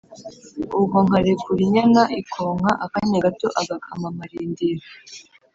ubwo nkarekura inyana ikonka akanya gato agakama amarindira